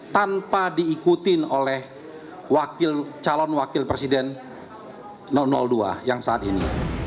tanpa diikutin oleh calon wakil presiden dua yang saat ini